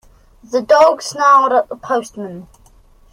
The dog snarled at the postman.